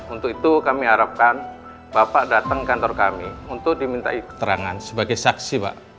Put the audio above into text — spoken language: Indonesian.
untuk itu kami harapkan bapak datang ke kantor kami untuk dimintai keterangan sebagai saksi